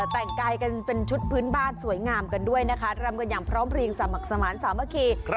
แต่กลายเป็นชุดพื้นบ้านสวยงามกันด้วยยังพร้อมพริงสรรคอยน์สรรค์ละสำอคี